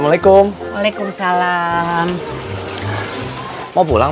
ada iki loh jang